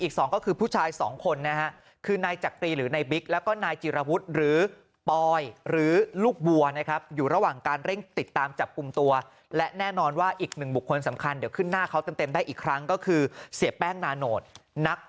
อีก๒ก็คือผู้ชาย๒คนนะครับคือนายจักรีหรือนายบิ๊ก